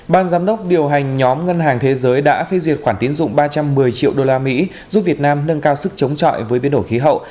ban giám đốc điều hành nhóm ngân hàng thế giới đã phê duyệt khoản tiến dụng ba trăm một mươi triệu đô la mỹ giúp việt nam nâng cao sức chống trọi với biến đổi khí hậu